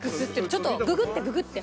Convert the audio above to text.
ちょっとググってググって。